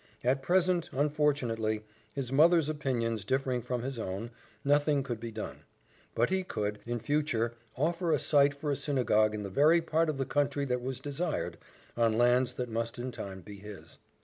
At present, unfortunately, his mother's opinions differing from his own, nothing could be done; but he could, in future, offer a site for a synagogue in the very part of the country that was desired, on lands that must in time be his.